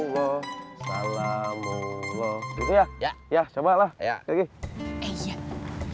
ya kalau saya perhatikan apel sudah mulai ada perubahan ya meskipun sedikit